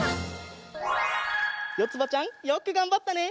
よつばちゃんよくがんばったね！